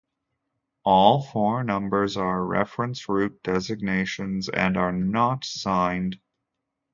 All four numbers are reference route designations and are not signed.